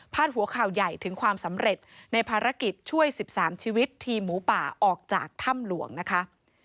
หัวข่าวใหญ่ถึงความสำเร็จในภารกิจช่วย๑๓ชีวิตทีมหมูป่าออกจากถ้ำหลวงนะคะ